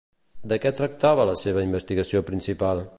De què tractava la seva investigació principal?